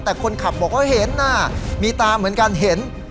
แต่คนขับบอกว่าเห็นหน้ามีตาเหมือนกันเห็น